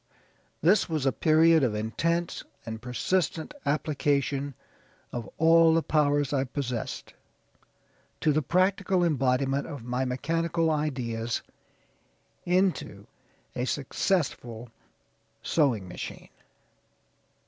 "This was a period of intense and persistent application, of all the powers I possessed, to the practical embodiment of my mechanical ideas into a successful sewing machine.